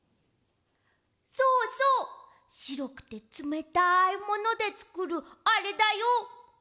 そうそうしろくてつめたいものでつくるあれだよ！